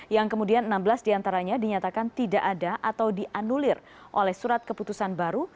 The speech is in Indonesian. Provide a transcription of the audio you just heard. yang kemudian enam belas diantaranya dinyatakan tidak ada atau dianulir oleh surat keputusan baru